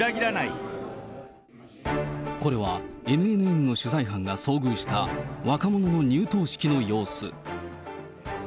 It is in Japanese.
これはＮＮＮの取材班が遭遇した、若者の入党式の様子。